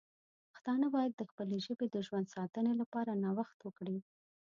پښتانه باید د خپلې ژبې د ژوند ساتنې لپاره نوښت وکړي.